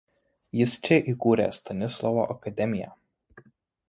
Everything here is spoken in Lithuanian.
Jis čia įkūrė Stanislovo akademiją.